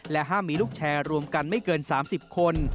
ห้ามมีลูกแชร์รวมกันไม่เกิน๓๐คน